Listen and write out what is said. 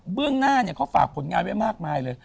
เรื่องหน้าเขาฝากผลงานไว้มากมายเลย